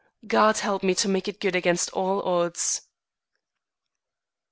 God help me to make it good against all odds."